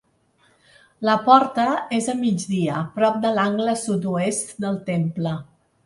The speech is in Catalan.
La porta és a migdia, prop de l'angle sud-oest del temple.